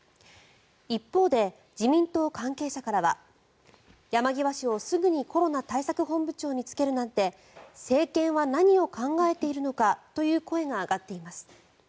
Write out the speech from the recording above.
一方で、自民党関係者からは山際氏をすぐにコロナ対策本部長に就けるなんて政権は何を考えているのかという声が上がっています。